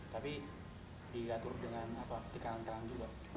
tapi diatur dengan apa tekanan tangan juga